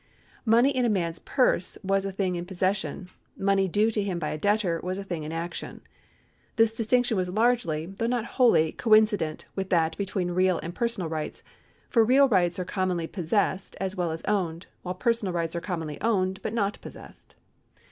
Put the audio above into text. Money in a man's purse was a thing in possession ; money due to him by a debtor was a thing in action. This distinction was largely, though not wholly, coincident with that between real and personal rights, for real rights are commonly possessed as well as owned, while personal rights are commonly owaied but not possessed.